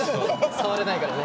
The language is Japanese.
触れないからね。